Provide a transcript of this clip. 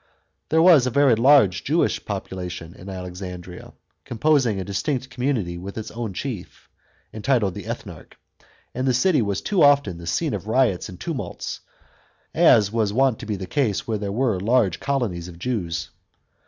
There was a very large Jewish population in Alexandria, composing a distinct community, with its own chief (entitled the ethnarc/i) ; and the city was too often the scene of riots and tumults, as was wont to be the c»se where there were large colonies of Jews.